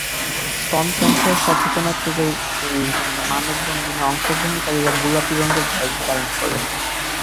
স্তন ক্যানসার সচেতনতা তৈরির জন্য মানববন্ধনে অংশগ্রহণকারীরা গোলাপি রঙের ব্যাজ ধারণ করেন।